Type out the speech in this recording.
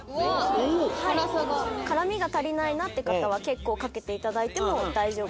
辛味が足りないなって方は結構かけていただいても大丈夫です。